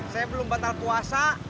saya belum batal puasa